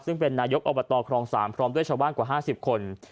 ซึ่งเป็นนายกอบตครอง๓พร้อมด้วยชาวบ้านกว่า๕๐คน